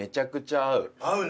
合うね。